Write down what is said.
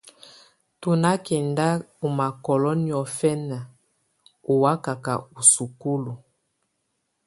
Tù nà kɛnda ù makɔlɔ niɔfɛna ɔ wakaka ù sukulu.